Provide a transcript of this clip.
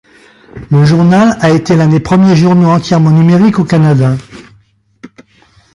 Le journal a été l'un des premiers journaux entièrement numériques au Canada.